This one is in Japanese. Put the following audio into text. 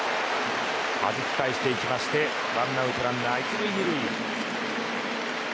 はじき返していきまして１アウトランナー１塁２塁。